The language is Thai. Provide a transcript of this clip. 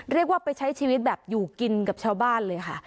เรียกว่าไปใช้ชีวิตแบบอยู่กินกับชาวบ้านเลยค่ะ